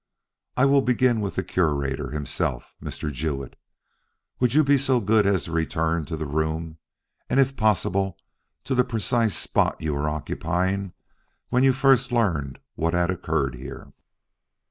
I will begin with the Curator himself. Mr. Jewett, will you be so good as to return to the room, and if possible to the precise spot, you were occupying when you first learned what had occurred here?"